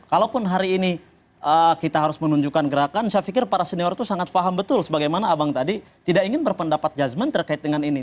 kalaupun hari ini kita harus menunjukkan gerakan saya pikir para senior itu sangat faham betul sebagaimana abang tadi tidak ingin berpendapat jasman terkait dengan ini